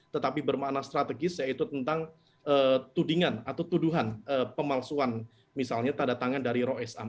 tetapi bermakna strategis yaitu tentang tudingan atau tuduhan pemalsuan misalnya tanda tangan dari rois am